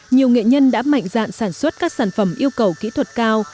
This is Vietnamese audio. nhiều nghệ nhân đã mạnh dạn sản xuất các sản phẩm yêu cầu kỹ thuật cao